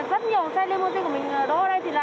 rất nhiều xe limousine của mình đô ở đây thì là